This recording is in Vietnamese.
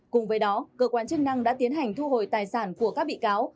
cùng với đó cơ quan chức năng đã tiến hành thu hồi tài sản của các bị cáo